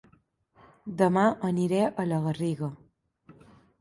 Dema aniré a La Garriga